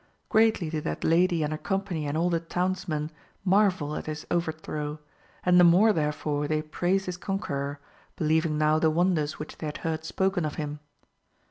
Greatly did that lady and her company and all the townsmen marvel at his over throw, and the more therefore they praised his con queror, believing now the wonders which they had heard spoken of him.